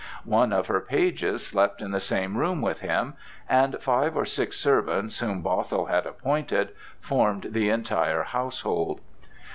One of her pages slept in the same room with him, and five or six servants, whom Bothwell had appointed, formed the entire household.